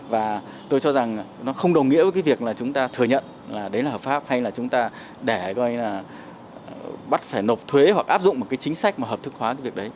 và tôi cho rằng nó không đồng nghĩa với việc là chúng ta thừa nhận là đấy là hợp pháp hay là chúng ta để coi như là bắt phải nộp thuế hoặc áp dụng một cái chính sách mà hợp thức hóa cái việc đấy